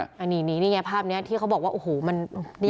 อันนี้นี่ไงภาพเนี่ยที่เขาบอกว่าโอ้โหมันมีอย่างไร